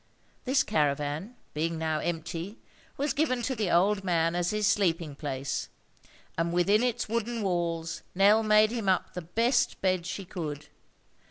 This caravan, being now empty, was given to the old man as his sleeping place; and within its wooden walls Nell made him up the best bed she could.